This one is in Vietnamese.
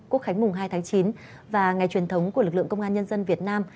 quốc khánh mùng hai tháng chín và ngày truyền thống của lực lượng công an nhân dân việt nam